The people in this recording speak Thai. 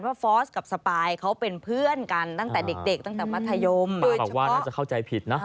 ก็ตอบว่าน่าจะเข้าใจผิดนะ